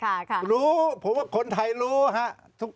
ท่านรู้รู้ผมว่าคนไทยรู้